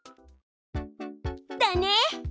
だね！